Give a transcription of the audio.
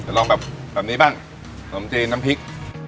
ลองแบบแบบนี้บ้างขนมจีนน้ำพริก